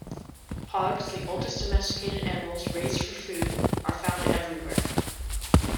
Hogs, the oldest domesticated animals raised for food, are found everywhere.